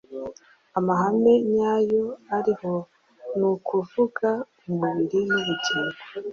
amahame nyayo ariho, ni ukuvuga, Umubiri nubugingo.